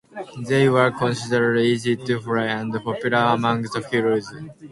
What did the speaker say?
They were considered easy to fly and popular among the crews.